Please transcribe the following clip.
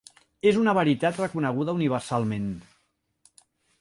És una veritat reconeguda universalment.